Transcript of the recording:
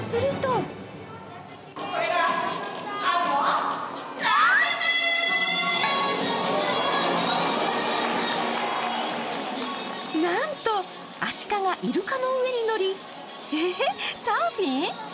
するとなんとアシカがイルカの上に乗り、えっ、サーフィン？